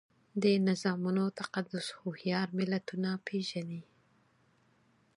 د نظامونو تقدس هوښیار ملتونه پېژني.